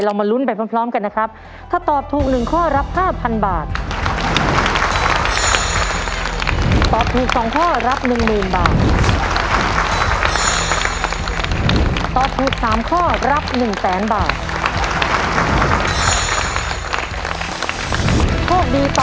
ก็ต้องมาลุ้นกันและเอาใจช่วยนะคะว่าครอบครัวของแม่งาจะสามารถคว้าเงินหนึ่งล้านบาทกลับบ้านได้หรือไม่สักครู่เดียวในเกมต่อชีวิตครับ